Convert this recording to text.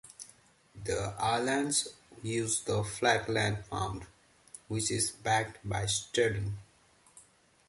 The islands use the Falkland pound, which is backed by sterling.